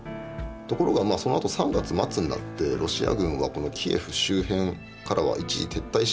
ところがそのあと３月末になってロシア軍はこのキエフ周辺からは一時撤退しますと。